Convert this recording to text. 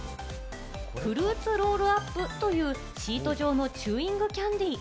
フルーツロールアップというシート状のチューイングキャンディ。